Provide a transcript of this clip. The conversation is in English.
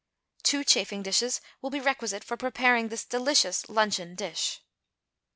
= Two chafing dishes will be requisite for preparing this delicious luncheon dish.